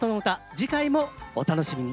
次回もお楽しみに。